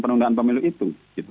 penundaan pemilu itu